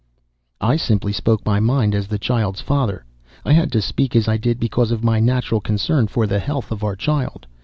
"I simply spoke my mind as the child's father. I had to speak as I did because of my natural concern for the health of our child.